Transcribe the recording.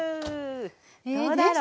どうだろ。